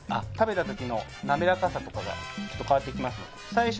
食べたときの滑らかさとかがちょっと変わってきますので。